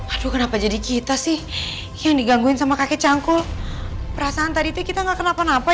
aduh kenapa jadi kita sih yang digangguin sama kakek cangkul perasaan tadi tuh kita gak kenapa napa